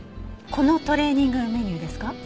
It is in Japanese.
このトレーニングメニューですか？